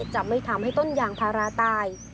จะไม่ทำให้ต้นยางพาราตาย